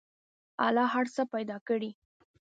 الله هر څه پیدا کړي.